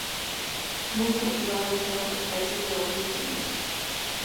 Muy cultivado en todos los países de Oriente Medio.